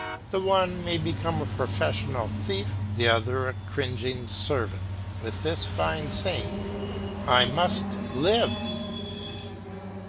The one may become a professional thief, the other a cringing servant, with this fine saying, "I must live."